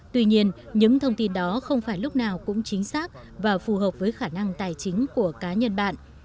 tuy nhiên những thông tin đó không phải lúc nào cũng chính xác và phù hợp với khả năng tài chính của cá nhân bạn